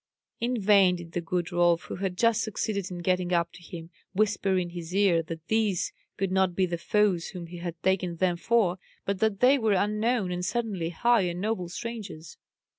In vain did the good Rolf, who had just succeeded in getting up to him, whisper in his ear that these could not be the foes whom he had taken them for, but that they were unknown, and certainly high and noble strangers.